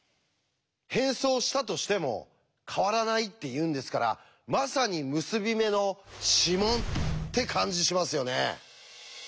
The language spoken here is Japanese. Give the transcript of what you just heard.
変装したとしても変わらないっていうんですからまさに結び目の指紋って感じしますよね。